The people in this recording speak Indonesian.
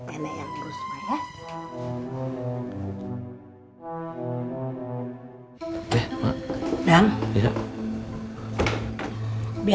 enggak gak apa apa